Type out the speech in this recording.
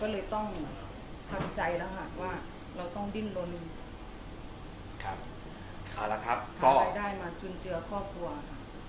ก็เลยต้องทำใจนะคะว่าเราต้องดิ้นลนหารายได้มาจุนเจือครอบครัวค่ะ